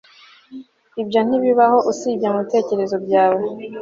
Ibyo ntibibaho usibye mubitekerezo byawe